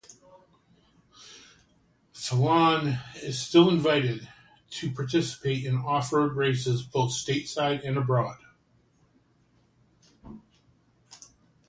Phelan is still invited to participate in offroad races both stateside and abroad.